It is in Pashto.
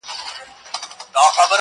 راڅخه زړه وړي رانه ساه وړي څوك~